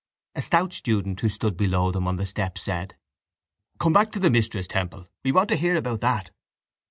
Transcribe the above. A stout student who stood below them on the steps said: —Come back to the mistress, Temple. We want to hear about that.